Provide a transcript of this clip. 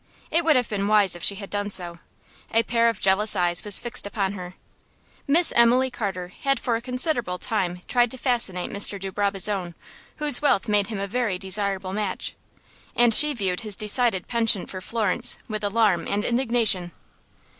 It would have been wise if she had done so. A pair of jealous eyes was fixed upon her. Miss Emily Carter had for a considerable time tried to fascinate Mr. de Brabazon, whose wealth made him a very desirable match, and she viewed his decided penchant for Florence with alarm and indignation.